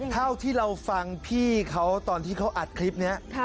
เท่าที่เราฟังพี่เขาตอนที่เขาอัดคลิปนี้